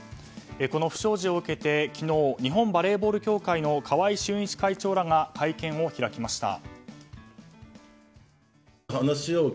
この不祥事を受けて、昨日日本バレーボール協会の川合俊一会長らが会見を開きました。